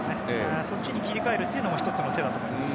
そっちに切り替えるのも１つの手だと思います。